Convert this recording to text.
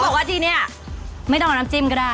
บอกว่าที่นี่ไม่ต้องเอาน้ำจิ้มก็ได้